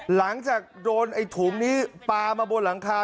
หลังจากโดนไอ้ถุงนี้ปลามาบนหลังคา